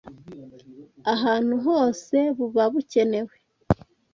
ahantu hose buba bukenewe.